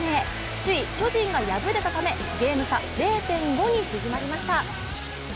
首位・巨人が敗れたためゲーム差０．５に縮まりました。